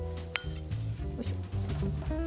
よいしょ。